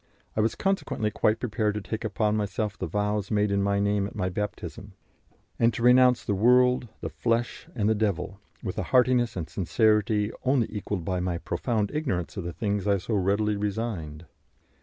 I was consequently quite prepared to take upon myself the vows made in my name at my baptism, and to renounce the world, the flesh, and the devil, with a heartiness and sincerity only equalled by my profound ignorance of the things I so readily resigned.